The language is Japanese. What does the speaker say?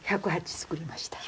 １０８作りました。